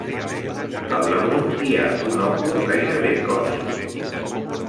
Al damunt hi ha un òcul gairebé cònic.